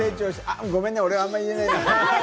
ごめんね、俺、あんま言えない。